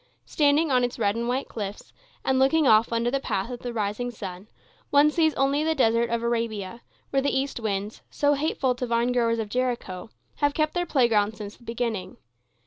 Standing on its red and white cliffs, and looking off under the path of the rising sun, one sees only the Desert of Arabia, where the east winds, so hateful to vinegrowers of Jericho, have kept their playgrounds since the beginning.